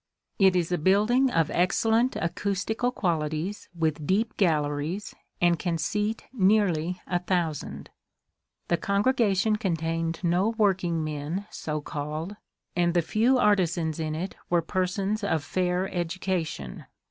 It is a building of excellent acoustical quali ties with deep galleries, and can seat nearly a thousand. The congregation contained no workingmen so^alled, and the few artisans in it were persons of fair education.